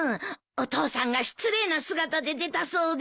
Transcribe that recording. お父さんが失礼な姿で出たそうで。